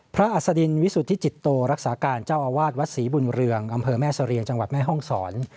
อัศดินวิสุทธิจิตโตรักษาการเจ้าอาวาสวัดศรีบุญเรืองอำเภอแม่เสรียงจังหวัดแม่ห้องศร